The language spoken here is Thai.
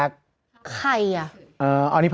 รักป่ะการจับไมว์นี้เอกลักษณ์ป่ะ